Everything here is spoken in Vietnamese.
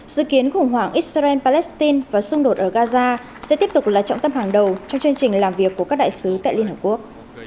dự kiến khủng hoảng israel palestine và xung đột ở gaza sẽ tiếp tục là trọng tâm hàng đầu trong chương trình làm việc của các đại sứ tại liên hợp quốc